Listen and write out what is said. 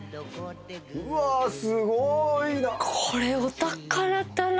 うわすごいな。